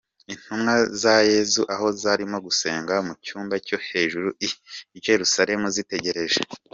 Intumwa za Yesu aho zarimo gusenga mu cyumba cyo hejuru i Yerusalemu zitegereje.